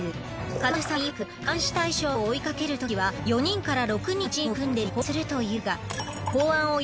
勝丸さんいわく監視対象を追いかけるときは４人から６人のチームを組んで尾行するというが。